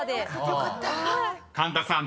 ［神田さん